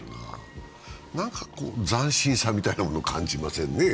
斬新さみたいなものを感じませんね。